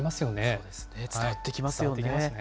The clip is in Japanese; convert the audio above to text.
そうですね、伝わってきますよね。